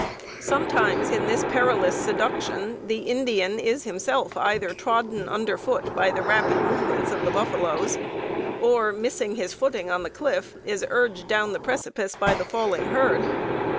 Sometimes in this perilous seduction the Indian is himself either trodden under foot by the rapid movements of the buffaloes, or, missing his footing in the cliff, is urged down the precipice by the falling herd.